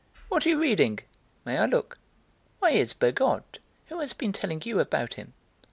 "What are you reading? May I look? Why, it's Bergotte! Who has been telling you about him?"